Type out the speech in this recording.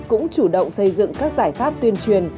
cũng chủ động xây dựng các giải pháp tuyên truyền